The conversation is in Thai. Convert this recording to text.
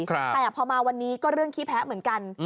แต่พอมาวันนี้ก็เรื่องขี้แพ้เหมือนกัน